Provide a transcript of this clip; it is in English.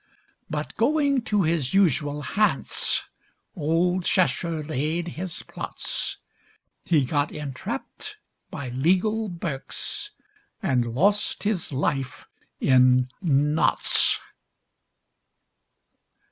But going to his usual Hants, Old Cheshire laid his plots: He got entrapp'd by legal Berks, And lost his life in Notts.